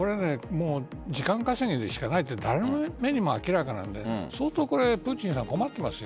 時間稼ぎでしかないと誰の目にも明らかなのでプーチンさんは困ってますよ。